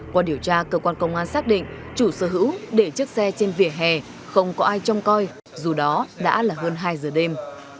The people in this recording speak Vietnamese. qua điều tra cơ quan công an xác định chủ sở hữu để chiếc xe trên vỉa hè không có ai trông coi dù đó đã là hơn hai giờ đêm